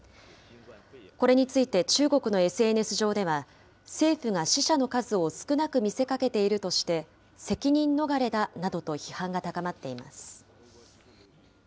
これについて、中国のＳＮＳ上では、政府が死者の数を少なく見せかけているとして、責任逃れだなどと批判が高まっています。